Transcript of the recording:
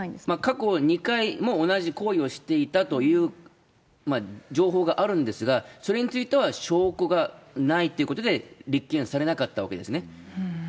過去２回も同じ行為をしていたという情報があるんですが、それについては証拠がないっていうことで、立件されなかったわけですね。